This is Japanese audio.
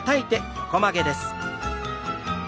横曲げです。